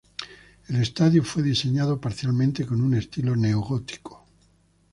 El estadio fue diseñado parcialmente con un estilo neogótico.